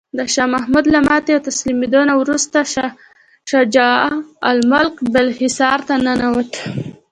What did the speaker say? د شاه محمود له ماتې او تسلیمیدو نه وروسته شجاع الملک بالاحصار ته ننوت.